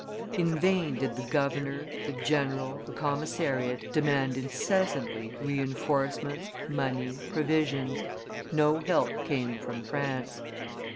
In vain did the governor, the general, the commissariat demand incessantly re enforcements, money, provisions; no help came from France.